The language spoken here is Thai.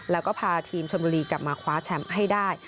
แล้วก็พาทีมชนบุรีกลับมาคว้าแชมป์ให้ได้